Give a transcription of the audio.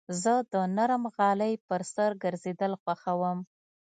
زه د نرم غالۍ پر سر ګرځېدل خوښوم.